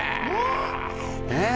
ねえ。